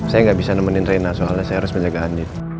saya gak bisa nemenin rina soalnya saya harus menjaga handi